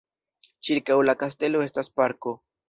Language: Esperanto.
Ĉirkaŭ la kastelo estas parko.